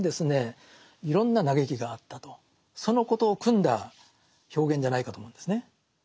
そのことをくんだ表現じゃないかと思うんですね。